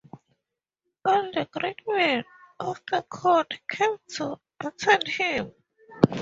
All the great men of the court came to attend him.